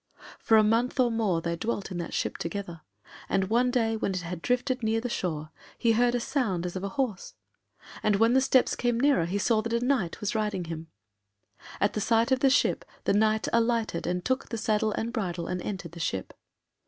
For a month or more they dwelt in that ship together, and one day, when it had drifted near the shore, he heard a sound as of a horse; and when the steps came nearer he saw that a Knight was riding him. At the sight of the ship the Knight alighted and took the saddle and bridle, and entered the ship.